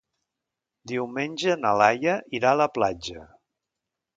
Diumenge na Laia irà a la platja.